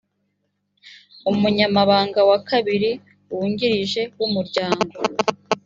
umunyamabanga wa kabiri wungirije w’umuryango